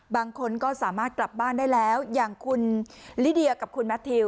บางคนก็สามารถกลับบ้านได้แล้วอย่างคุณลิเดียกับคุณแมททิว